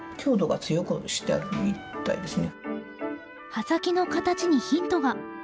刃先の形にヒントが！